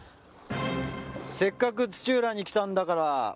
「せっかく土浦に来たんだから」